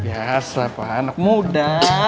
biasa pak anak muda